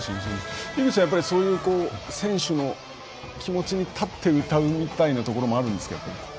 井口さん、そういう選手の気持ちに立って歌うみたいなところもあるんですか。